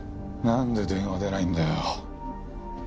なんで電話出ないんだよ